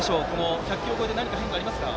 １００球を超えて何か変化はありますか？